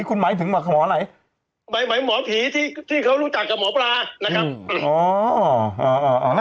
คุณหมายถึงหมออะไรหมายหมอผีที่ที่เขารู้จักกับหมอปลานะครับ